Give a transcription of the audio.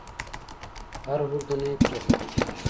هر اردني پرې خپه کېږي.